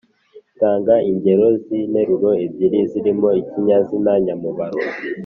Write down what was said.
tanga ingero z’interuro ebyiri zirimo ikinyazina nyamubaro